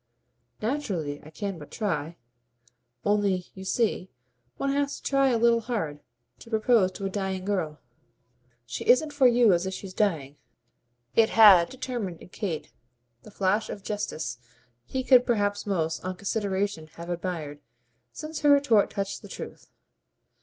"Naturally I can but try. Only, you see, one has to try a little hard to propose to a dying girl." "She isn't for you as if she's dying." It had determined in Kate the flash of justesse he could perhaps most, on consideration, have admired, since her retort touched the truth.